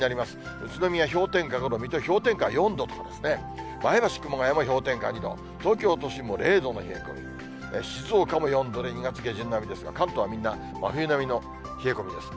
宇都宮氷点下５度、水戸氷点下４度とかですね、前橋、熊谷も氷点下２度、東京都心も０度の冷え込み、静岡も４度で２月下旬並みですが、関東はみんな真冬並みの冷え込みです。